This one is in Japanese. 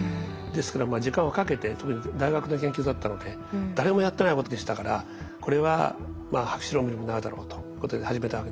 ですから時間をかけて特に大学の研究だったので誰もやってないことでしたからこれは博士論文になるだろうということで始めたわけです。